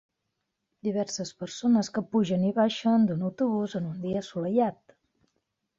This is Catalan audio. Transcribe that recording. Diverses persones que pugen i baixen d'un autobús en un dia assolellat.